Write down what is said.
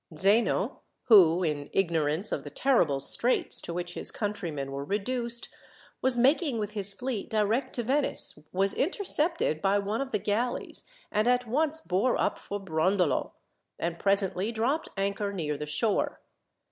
Zeno, who, in ignorance of the terrible straits to which his countrymen were reduced, was making with his fleet direct to Venice, was intercepted by one of the galleys, and at once bore up for Brondolo, and presently dropped anchor near the shore.